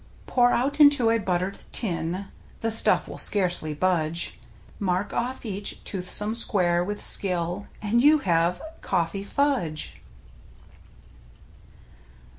Pour out into a buttered tin (The stuff will scarcely budge), Mark off each toothsome square with skill, And you have — Coffee Fudge